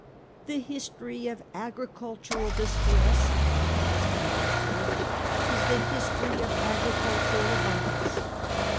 ' The history of agricultural distress,' it has been well observed, 'is the history of agricultural abun dance.